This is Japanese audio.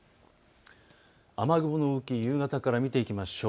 雨雲の動きを夕方から見ていきましょう。